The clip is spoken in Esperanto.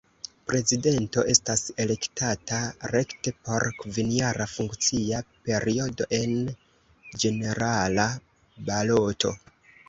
Prezidento estas elektata rekte por kvinjara funkcia periodo en ĝenerala baloto.